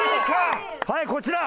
はいこちら！